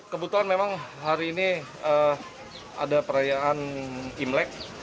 kebetulan memang hari ini ada perayaan imlek